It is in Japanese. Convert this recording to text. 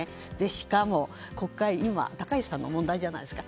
しかも国会、今は高市さんの問題じゃないですか。